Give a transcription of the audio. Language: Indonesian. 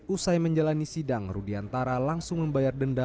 usai menjalani sidang rudiantara langsung membayar denda